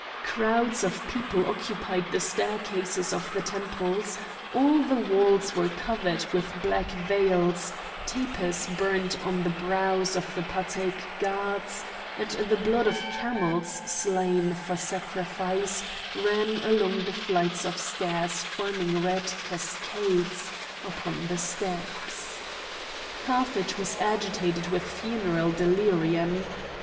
Crowds of people occupied the staircases of the temples; all the walls were covered with black veils; tapers burnt on the brows of the Patæc Gods, and the blood of camels slain for sacrifice ran along the flights of stairs forming red cascades upon the steps. Carthage was agitated with funereal delirium.